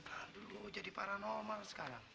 aduh jadi paranormal sekarang